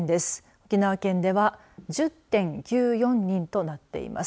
沖縄県では１０．９４人となっています。